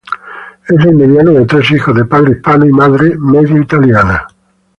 Es el mediano de tres hijos, de padre hispano y madre medio italiana.